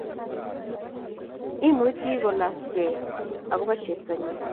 Imuchi kolaskei akobo chepto nyi